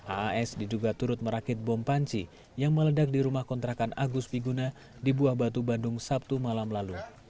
as diduga turut merakit bom panci yang meledak di rumah kontrakan agus figuna di buah batu bandung sabtu malam lalu